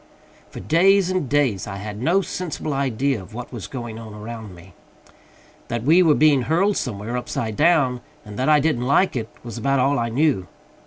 For days and days I had no sensible idea of what was going on around me. That we were being hurled somewhere upside down, and that I didn't like it, was about all I knew.